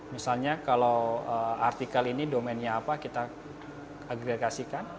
misalnya kalau artikel ini domennya apa kita agregasikan